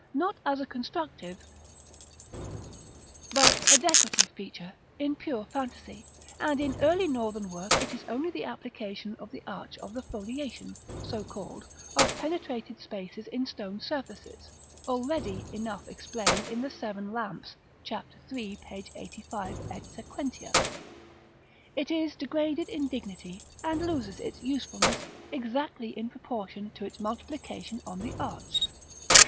not as a constructive, but a decorative feature, in pure fantasy; and in early northern work it is only the application to the arch of the foliation, so called, of penetrated spaces in stone surfaces, already enough explained in the "Seven Lamps," Chap. III., p. 85 et seq. It is degraded in dignity, and loses its usefulness, exactly in proportion to its multiplication on the arch.